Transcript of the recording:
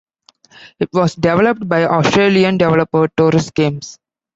It was developed by Australian developer Torus Games.